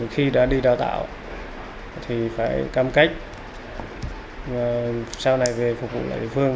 khi đã đi đào tạo thì phải cam cách và sau này về phục vụ lại địa phương